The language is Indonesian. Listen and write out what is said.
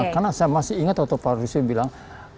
karena saya masih ingat waktu pak rusi bilang